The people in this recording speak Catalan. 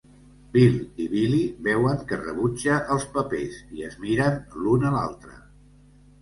Bill i Billie veuen que rebutja els papers, i es miren l'un a l'altre.